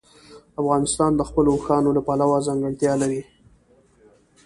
افغانستان د خپلو اوښانو له پلوه ځانګړتیا لري.